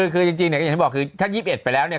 คือจริงเนี่ยเหมือนที่บอกถ้า๒๑ไปแล้วเนี่ย